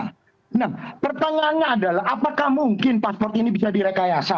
nah pertanyaannya adalah apakah mungkin paspor ini bisa direkayasa